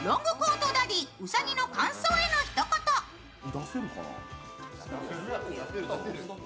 出せるかな。